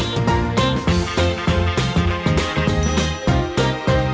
เสร็จแล้วค่ะเสร็จแล้วขอบคุณนะ